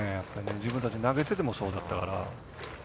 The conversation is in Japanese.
自分たち投げててもそうだったから。